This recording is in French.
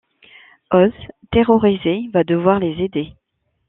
Oz, terrorisé, va devoir les aider.